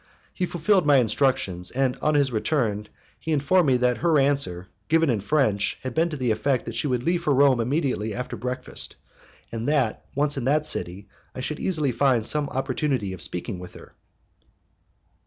He fulfilled my instructions, and on his return he informed me that her answer, given in French, had been to the effect that she would leave for Rome immediately after breakfast, and that, once in that city, I should easily find some opportunity of speaking to her.